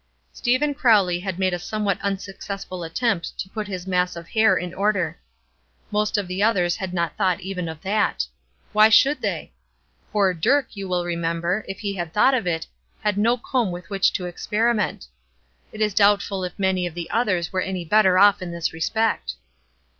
Stephen Crowley had made a somewhat unsuccessful attempt to put his mass of hair in order. Most of the others had not thought even of that. Why should they? Poor Dirk, you will remember, if he had thought of it, had no comb with which to experiment. It is doubtful if many of the others were any better off in this respect.